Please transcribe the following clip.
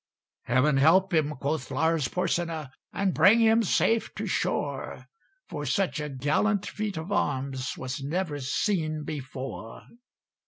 "Heaven help him!" quoth Lars Porsena, "And bring him safe to shore; For such a gallant feat of arms Was never seen before."